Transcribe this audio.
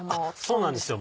そうなんですよ